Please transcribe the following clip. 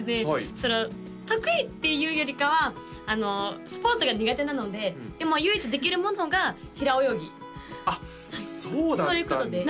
その得意っていうよりかはスポーツが苦手なのででも唯一できるものが平泳ぎあっそうだったんですね